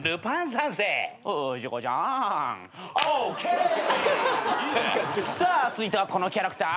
さあ続いてはこのキャラクターばいきんまん。